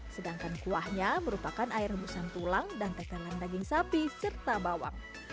sedangkan kuahnya merupakan air rebusan tulang dan tegangan daging sapi serta bawang